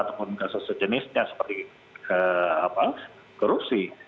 ataupun kasus sejenisnya seperti korupsi